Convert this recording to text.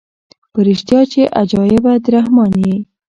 په ریشتیا چي عجایبه د رحمان یې